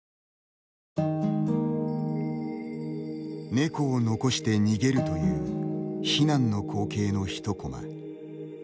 猫を残して逃げるという避難の光景のひとコマ。